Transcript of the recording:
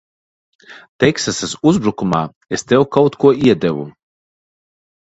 Teksasas uzbrukumā es tev kaut ko iedevu.